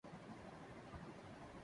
لطافت چھن جائے تو پھر سختی ہے۔